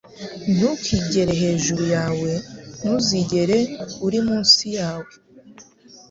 Ntukigere hejuru yawe Ntuzigere uri munsi yawe.